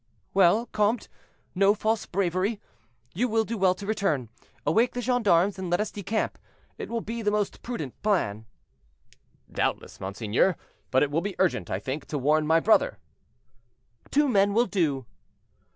"Well, comte, no false bravery: you will do well to return. Awake the gendarmes and let us decamp; it will be the most prudent plan." "Doubtless, monseigneur; but it will be urgent, I think, to warn my brother." "Two men will do."